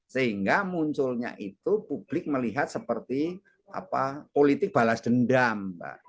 sehingga munculnya itu publik melihat seperti politik balas dendam